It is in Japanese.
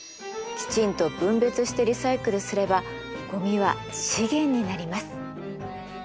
きちんと分別してリサイクルすればごみは資源になります。